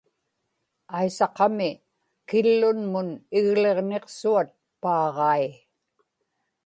aisaqami, kilunmun igliġniqsuat paaġai